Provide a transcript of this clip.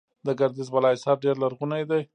د ګردیز بالاحصار ډیر لرغونی دی